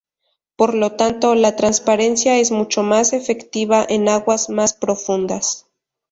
Por lo tanto, la transparencia es mucho más efectiva en aguas más profundas.